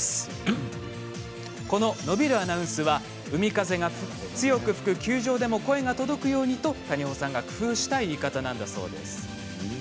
この伸びるアナウンスは海風が強く吹く球場でも声が届くようにと、谷保さんが工夫した言い方なんだそうです。